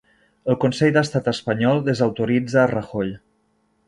El Consell d'Estat espanyol desautoritza a Rajoy